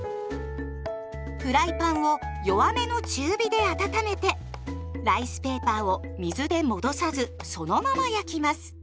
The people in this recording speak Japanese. フライパンを弱めの中火で温めてライスペーパーを水で戻さずそのまま焼きます。